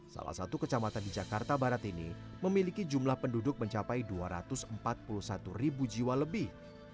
salah satu kecamatan di jakarta barat ini memiliki jumlah penduduk mencapai dua ratus empat puluh satu ribu jiwa lebih